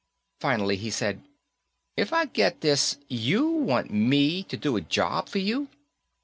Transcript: Finally he said, "If I get this, you want me to do a job for you."